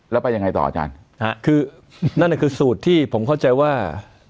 แล้วไปยังไงต่ออาจารย์คือนั่นคือสูตรที่ผมเข้าใจว่า